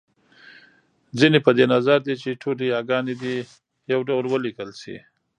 ځينې په دې نظر دی چې ټولې یاګانې دې يو ډول وليکل شي